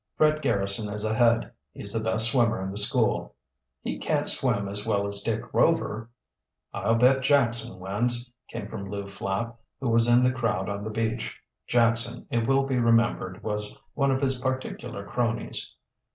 "Fred Garrison is ahead. He's the best swimmer in the school." "He can't swim as well as Dick Rover." "I'll bet Jackson wins," came from Lew Flapp, who was in the crowd on the beach. Jackson, it will be remembered, was one of his particular cronies.